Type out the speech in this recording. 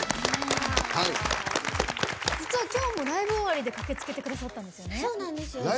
実は、きょうもライブ終わりに駆けつけてくださったんですよね。